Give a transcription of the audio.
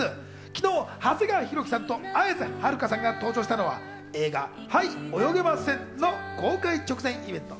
昨日、長谷川博己さんと、綾瀬はるかさんが登場したのは、映画『はい、泳げません』の公開直前イベント。